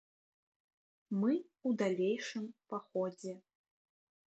Мы ў далейшым паходзе.